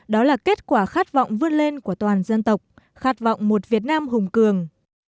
đó là kết quả khát vọng vươn lên của toàn dân tộc khát vọng một việt nam hùng cường